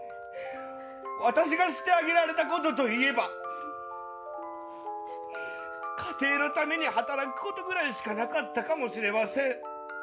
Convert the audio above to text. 私がしてあげられたことといえば家庭のために働くことぐらいしかなかったかもしれません。